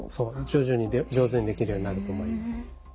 徐々に上手にできるようになると思います。